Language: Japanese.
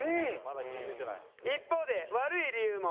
一方で悪い理由も。